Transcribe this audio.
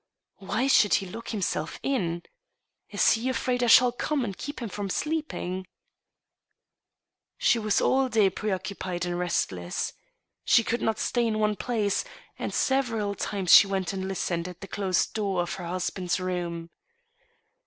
Why should he lock himself in ? Is he afraid I shall come and keep him from sleeping ?" She was all day preoccupied and restless. She could not stay in one place, and several times she went and listened at the closed door of her husband's room.